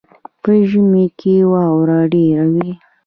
په ژمي کې واوره ډیره وي.